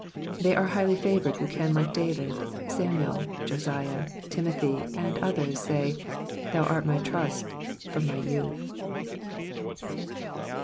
They are highly favoured who can like David, Samuel, Josiah, Timothy, and others say, *' Thou art my trust from ray youth."